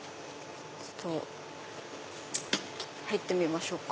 ちょっと入ってみましょうか。